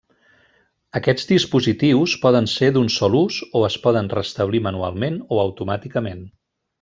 Aquests dispositius poden ser d'un sol ús o es poden restablir manualment o automàticament.